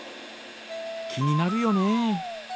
気になるよね。